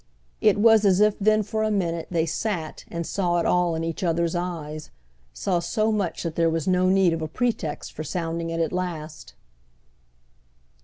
It was as if then for a minute they sat and saw it all in each other's eyes, saw so much that there was no need of a pretext for sounding it at last.